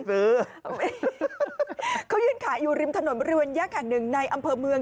เขายืนขายอยู่ริมถนนบริเวณแยกแห่งหนึ่งในอำเภอเมือง